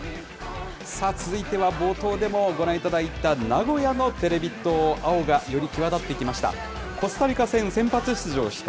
さあ、続いては冒頭でもご覧いただいた、名古屋のテレビ塔、青がより際立ってきました。